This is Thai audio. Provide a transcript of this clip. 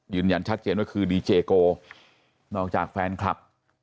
ยืนยันชัดเจนว่าคือดีเจโกนอกจากแฟนคลับ